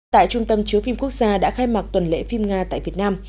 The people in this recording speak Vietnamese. tại trung tâm chứa phim quốc gia đã khai mạc tuần lễ phim nga tại việt nam